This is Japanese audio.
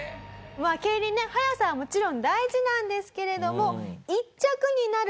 まあ競輪ね速さはもちろん大事なんですけれどもヨネシマさんの場合は。